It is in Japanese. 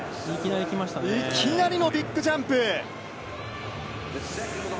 いきなりのビッグジャンプ。